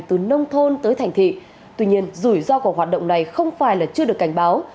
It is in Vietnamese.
từ nông thôn tới thành thị tuy nhiên rủi ro của hoạt động này không phải là chưa được cảnh báo